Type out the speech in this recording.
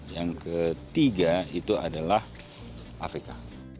yang ketiga itu adalah afrika